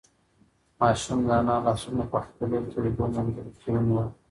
ماشوم د انا لاسونه په خپلو تودو منگولو کې ونیول.